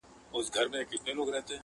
كوم ولات كي يې درمل ورته ليكلي-